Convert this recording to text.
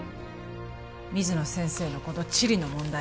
水野先生のこの地理の問題